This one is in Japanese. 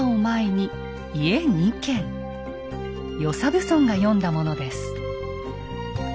与謝蕪村が詠んだものです。